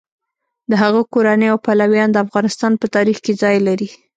د هغه کورنۍ او پلویان د افغانستان په تاریخ کې ځای لري.